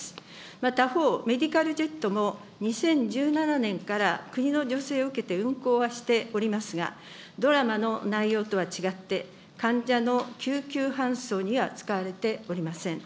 また他方、メディカルジェットも２０１７年から国の助成を受けて運航はしておりますが、ドラマの内容とは違って、患者の救急搬送には使われておりません。